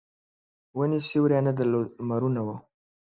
ونې سیوری نه درلود لمرونه وو.